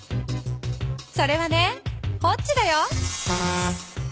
それはねホッジだよ。